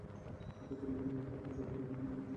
ব্যথিতমুখে হাবলু চলে গেল, কুমু কিছুই বললে না।